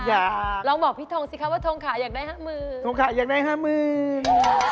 อยากลองบอกพี่ทงสิคะว่าทงค่ะอยากได้ห้าหมื่นทงค่ะอยากได้ห้าหมื่น